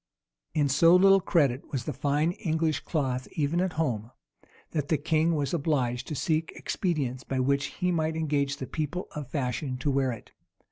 In so little credit was the fine English cloth even at home, that the king was obliged to seek expedients by which he might engage the people of fashion to wear it.